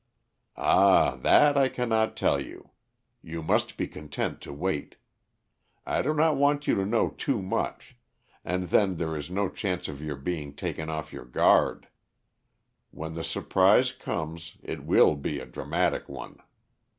"Ah, that I cannot tell you. You must be content to wait. I do not want you to know too much, and then there is no chance of your being taken off your guard. When the surprise comes it will be a dramatic one.